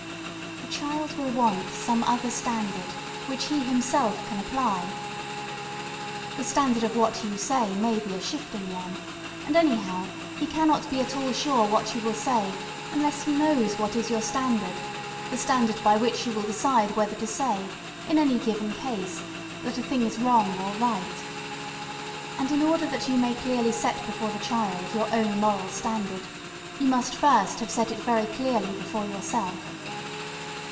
The child will want some other standard which he himself can apply. The standard of what you say may be a shifting one, and anyhow, he cannot be at all sure what you will say unless he knows what is your standard, the standard by which you will decide whether to say, in any given case, that a thing is wrong or right. And in order that you may clearly set before the child your own moral standard you must first have set it very clearly before yourself.